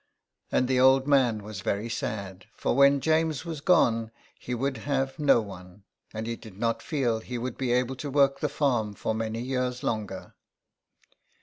And the old man was very sad, for when James was gone he would have no one, and he did not feel he would be able to work the farm tor many years longer.